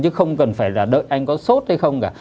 chứ không cần phải là đợi anh có sốt hay không cả